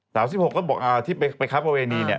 สาว๑๖ก็บอกที่ไปครับบริการเนี่ย